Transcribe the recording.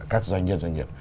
các doanh nhân doanh nghiệp